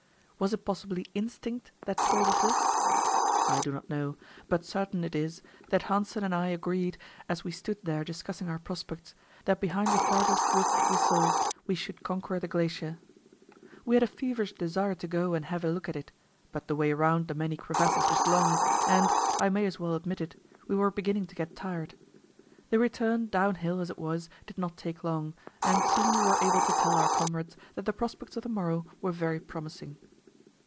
Was it possibly instinct that told us this? I do not know, but certain it is that Hanssen and I agreed, as we stood there discussing our prospects, that behind the farthest ridge we saw, we should conquer the glacier. We had a feverish desire to go and have a look at it; but the way round the many crevasses was long, and I may as well admit it we were beginning to get tired. The return, downhill as it was, did not take long, and soon we were able to tell our comrades that the prospects for the morrow were very promising.